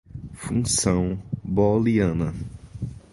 função booliana